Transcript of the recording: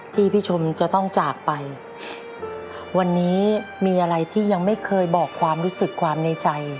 ที่พี่ชมจะต้องจากไปวันนี้มีอะไรที่ยังไม่เคยบอกความรู้สึกความในใจ